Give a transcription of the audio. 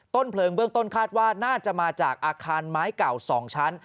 ต้นเพลิงเบื้องต้นคาดว่าน่าจะมาจากอาคารไม้เก่า๒ชั้น